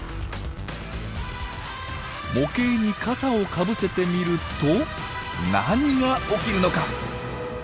模型に傘をかぶせてみると何が起きるのか。